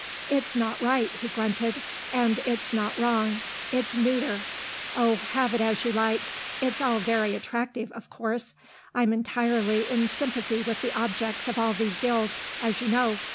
"It's not right," he grunted, "and it's not wrong. It's neuter. Oh, have it as you like. It's all very attractive, of course; I'm entirely in sympathy with the objects of all these guilds, as you know.